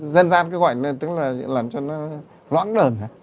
dân gian cái gọi là làm cho nó loãng đờn